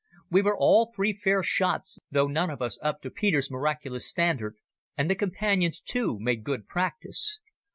We were all three fair shots, though none of us up to Peter's miraculous standard, and the Companions, too, made good practice.